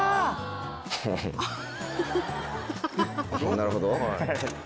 なるほど。